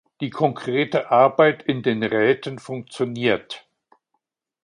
Die konkrete Arbeit in den Räten funktioniert.